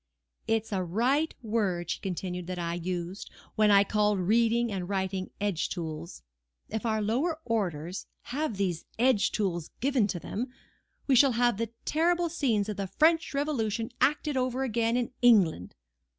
"It was a right word," she continued, "that I used, when I called reading and writing 'edge tools.' If our lower orders have these edge tools given to them, we shall have the terrible scenes of the French Revolution acted over again in England.